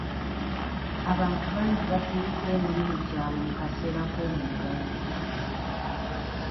Abantu bangi bafiiriddwa emirimu gyabwe mu kaseera k'omuggalo.